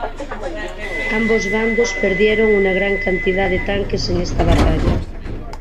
Ambos bandos perdieron una gran cantidad de tanques en esta batalla.